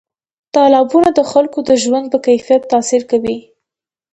تالابونه د خلکو د ژوند په کیفیت تاثیر کوي.